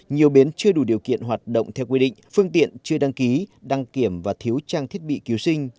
nhiều bến chưa đủ điều kiện hoạt động theo quy định phương tiện chưa đăng ký đăng kiểm và thiếu trang thiết bị cứu sinh